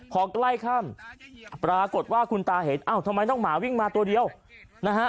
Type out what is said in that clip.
พอใกล้ค่ำปรากฏว่าคุณตาเห็นอ้าวทำไมน้องหมาวิ่งมาตัวเดียวนะฮะ